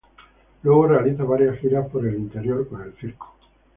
Luego realiza varias giras por el interior con el circo.